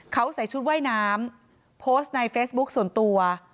เขาใส่ชุดว่ายน้ำโพสต์ในเฟซบุ๊คส่วนตัว